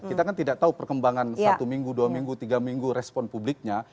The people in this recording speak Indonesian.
kita kan tidak tahu perkembangan satu minggu dua minggu tiga minggu respon publiknya